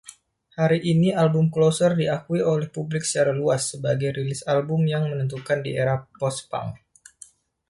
Hari ini, album "Closer" diakui oleh publik secara luas sebagai rilis album yang menentukan di era post-punk.